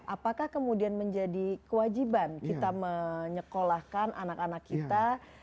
apakah kemudian menjadi kewajiban kita menyekolahkan anak anak kita